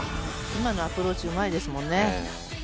今のアプローチうまいですもんね。